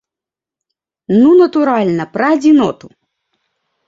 Ну натуральна, пра адзіноту!